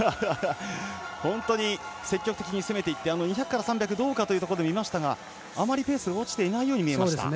本当に積極的に攻めていって２００から３００どうかというところで見ましたがあまりペースが落ちていないように見えました。